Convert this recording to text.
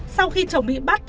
sau khi chồng bị bắt